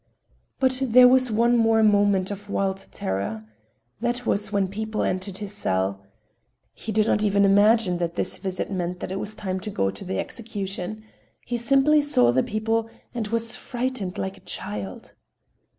But there was one more moment of wild terror. That was when people entered his cell. He did not even imagine that this visit meant that it was time to go to the execution; he simply saw the people and was frightened like a child.